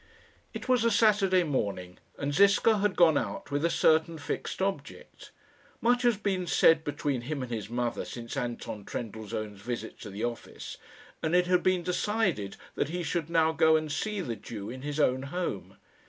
It was a Saturday morning, and Ziska had gone out with a certain fixed object. Much had been said between him and his mother since Anton Trendellsohn's visit to the office, and it had been decided that he should now go and see the Jew in his own home.